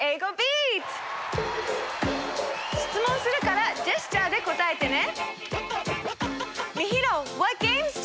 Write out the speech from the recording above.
しつもんするからジェスチャーで答えてね。